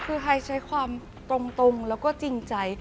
คือใครใช้ความตรงแล้วก็จริงใจ